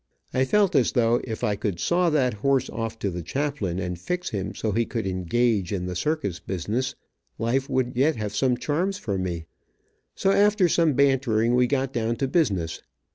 I felt as though if I could saw that horse off on to the chaplain, and fix him so he could engage in the circus business, life would yet have some charms for me, so after some bantering we got down to business.